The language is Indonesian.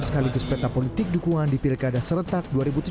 sekaligus peta politik dukungan di pilkada serentak dua ribu tujuh belas